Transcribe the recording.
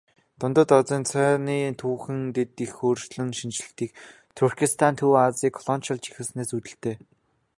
Дундад Азийн цайны түүхэн дэх их өөрчлөн шинэчлэлт Туркестан Төв Азийг колоничилж эхэлснээс үүдэлтэй.